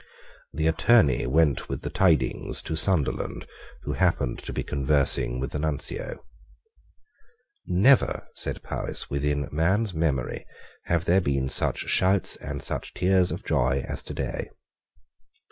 The Attorney went with the tidings to Sunderland, who happened to be conversing with the Nuncio. "Never," said Powis, "within man's memory, have there been such shouts and such tears of joy as today."